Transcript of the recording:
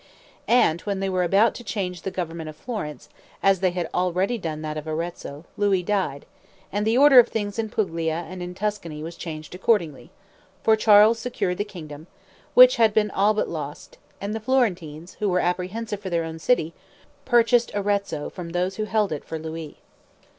And when they were about to change the government of Florence, as they had already done that of Arezzo, Louis died, and the order of things in Puglia and in Tuscany was changed accordingly; for Charles secured the kingdom, which had been all but lost, and the Florentines, who were apprehensive for their own city, purchased Arezzo from those who held it for Louis.